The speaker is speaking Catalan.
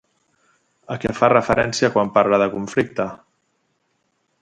A què fa referència quan parla de conflicte?